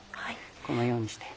このようにして。